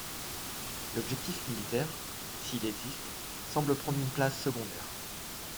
L'objectif militaire, s'il existe, semble prendre une place secondaire.